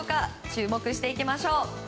注目していきましょう。